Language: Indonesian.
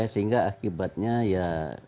sehingga akibatnya ya